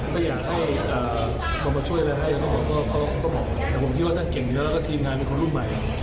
ก็อยากให้คนมาช่วยอะไรให้ผมก็บอกแต่ผมคิดว่าถ้าเก่งเยอะแล้วก็ทีมงานเป็นคนรุ่นใหม่